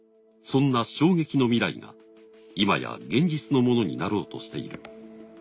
そんな衝撃の未来がいまや現実のものになろうとしている。